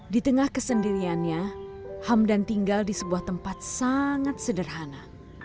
di tengah kesendiriannya hamdan tinggal di sebuah tempat sangat sederhana